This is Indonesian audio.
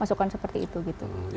masukkan seperti itu gitu